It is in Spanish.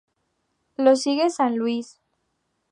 Lo sigue San Luis.